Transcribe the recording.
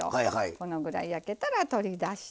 このぐらい焼けたら取り出して。